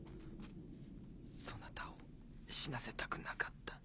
そなたを死なせたくなかった。